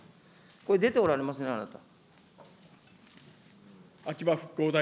これ、出ておられますね、あなた。